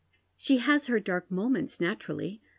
She has her dark moments, naturally.